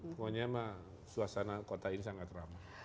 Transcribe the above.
pokoknya emang suasana kota ini sangat ramah